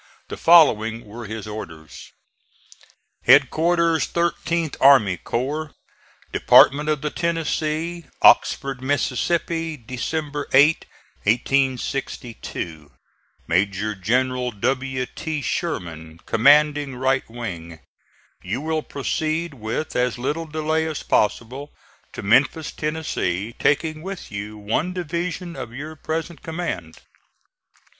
The following were his orders: Headquarters 13th Army Corps, Department of the Tennessee. OXFORD, MISSISSIPPI, December 8,1862. MAJOR GENERAL W. T. SHERMAN, Commanding Right Wing: You will proceed, with as little delay as possible, to Memphis, Tennessee, taking with you one division of your present command.